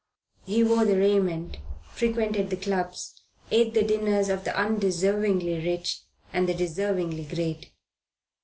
He wore the raiment, frequented the clubs, ate the dinners of the undeservingly rich and the deservingly great.